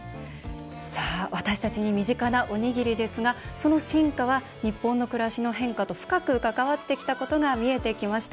私たちに身近なおにぎりですがその進化は日本の暮らしの変化と深く関わってきたことが見えてきました。